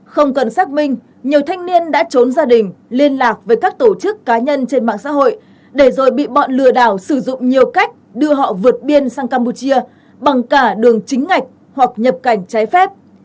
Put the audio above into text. không cần xác minh nhiều thanh niên đã trốn gia đình liên lạc với các tổ chức cá nhân trên mạng xã hội để rồi bị bọn lừa đảo sử dụng nhiều cách đưa họ vượt biên sang campuchia bằng cả đường chính ngạch hoặc nhập cảnh trái phép